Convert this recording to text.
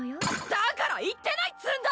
だから言ってないっつうんだ！